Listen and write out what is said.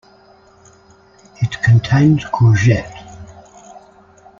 It contains courgette.